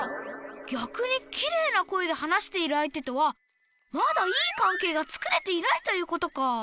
ぎゃくにキレイな声で話している相手とはまだいい関係がつくれていないということか！